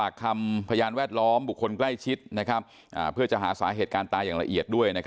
คำพยานแวดล้อมบุคคลใกล้ชิดเพื่อจะหาสาเหตุการณ์ตายอย่างละเอียดด้วย